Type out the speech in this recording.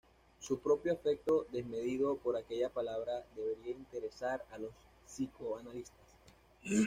Su propio afecto desmedido por aquella palabra debería interesar a los psicoanalistas.